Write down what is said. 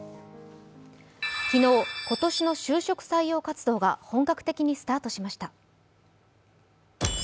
昨日、今年の就職採用活動が本格的にスタートしました。